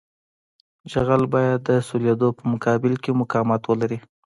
جغل باید د سولېدو په مقابل کې مقاومت ولري